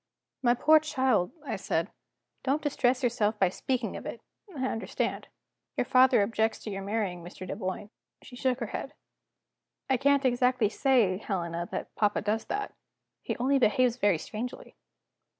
"My poor child," I said, "don't distress yourself by speaking of it; I understand. Your father objects to your marrying Mr. Dunboyne." She shook her head. "I can't exactly say, Helena, that papa does that. He only behaves very strangely."